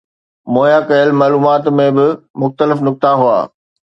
مهيا ڪيل معلومات ۾ ٻه مختلف نقطا هئا